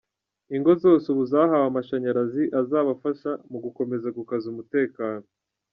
Ingo zose ubu zahawe amashanyarazi azabafasha mu gukomeza gukaza umutekano.